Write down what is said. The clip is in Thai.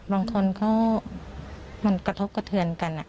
บางคนเขามันกระทบกระเทือนกัน